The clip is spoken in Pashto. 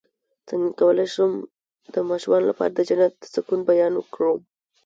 څنګه کولی شم د ماشومانو لپاره د جنت د سکون بیان کړم